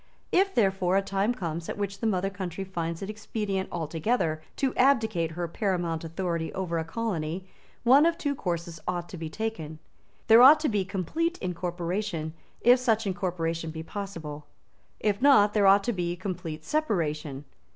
If, therefore, a time comes at which the mother country finds it expedient altogether to abdicate her paramount authority over a colony, one of two courses ought to be taken. There ought to be complete incorporation, if such incorporation be possible. If not, there ought to be complete separation.